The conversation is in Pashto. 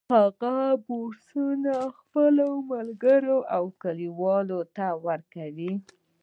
هغه بورسونه خپلو ملګرو او کلیوالو ته ورکوي